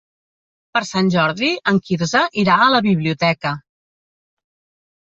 Per Sant Jordi en Quirze irà a la biblioteca.